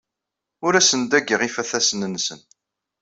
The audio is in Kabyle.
Ur asen-ddageɣ ifatasen-nsen.